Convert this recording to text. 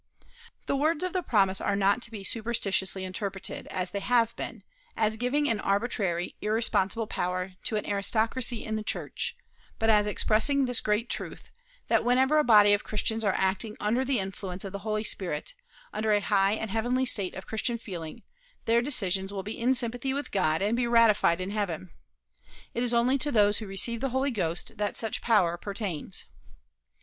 The words of the promise are not to be superstitiously interpreted, as they have been, as giving an arbitrary, irresponsible power to an aristocracy in the church, but as expressing this great truth: that whenever a body of Christians are acting under the influence of the Holy Spirit, under a high and heavenly state of Christian feeling, their decisions will be in sympathy with God and be ratified in heaven. It is only to those who receive the Holy Ghost that such power pertains.